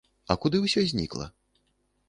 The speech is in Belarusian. А куды ўсё знікла?